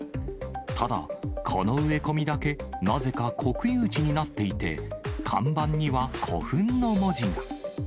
ただ、この植え込みだけなぜか国有地になっていて、看板には古墳の文字が。